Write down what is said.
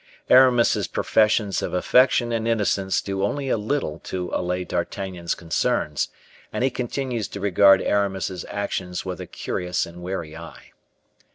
Aramis's professions of affection and innocence do only a little to allay D'Artagnan's concerns, and he continues to regard Aramis's actions with a curious and wary eye.